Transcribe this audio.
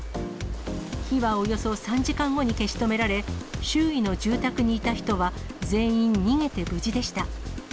火はおよそ３時間後に消し止められ周囲の住宅にいた人は、全員逃げて無事でした。